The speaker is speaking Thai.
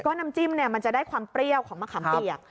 น้ำจิ้มมันจะได้ความเปรี้ยวของมะขามเปียก